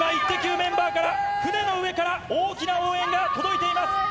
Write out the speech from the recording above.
メンバーから、船の上から大きな応援が届いています。